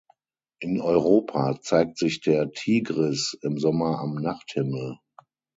In Europa zeigt sich der Tigris im Sommer am Nachthimmel.